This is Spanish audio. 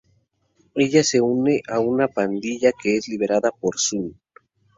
Ella se une a una pandilla que es liderada por Sun.